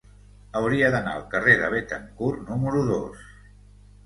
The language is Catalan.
Hauria d'anar al carrer de Béthencourt número dos.